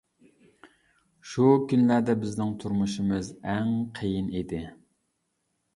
شۇ كۈنلەردە بىزنىڭ تۇرمۇشىمىز ئەڭ قىيىن ئىدى.